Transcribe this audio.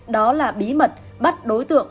đó là bí mật bắt đối tượng